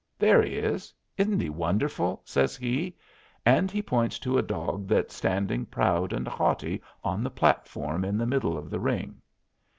There he is. Isn't he wonderful?" says he; and he points to a dog that's standing proud and haughty on the platform in the middle of the ring.